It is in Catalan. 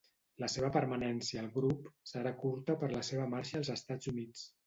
La seva permanència al grup serà curta per la seva marxa als Estats Units.